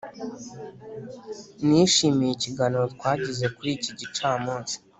nishimiye ikiganiro twagize kuri iki gicamunsi.